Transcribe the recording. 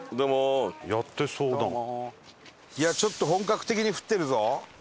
いやちょっと本格的に降ってるぞ。